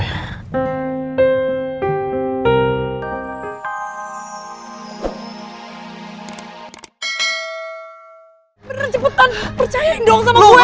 beneran cepetan percayain dong sama gue